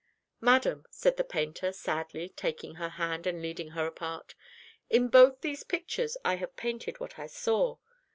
"Madam," said the painter, sadly, taking her hand, and leading her apart, "in both these pictures I have painted what I saw.